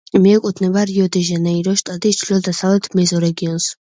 მიეკუთვნება რიო-დე-ჟანეიროს შტატის ჩრდილო-დასავლეთ მეზორეგიონს.